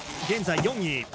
現在４位。